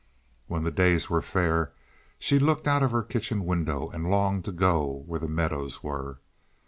When the days were fair she looked out of her kitchen window and longed to go where the meadows were.